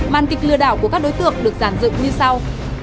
màn tịch lừa đảo của các đối tượng được giàn dựng như sau